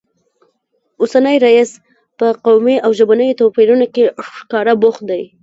اوسنی رییس په قومي او ژبنیو توپیرونو کې ښکاره بوخت دی